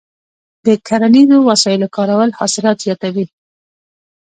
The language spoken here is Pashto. د کرنیزو وسایلو کارول حاصلات زیاتوي.